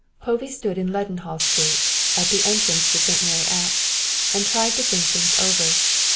Povey stood in Leadenhall Street at the entrance to St. Mary Axe and tried to think things over.